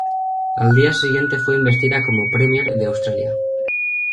Al día siguiente fue investida como "premier" de Australia.